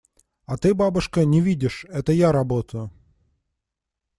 – А ты, бабушка, не видишь – это я работаю.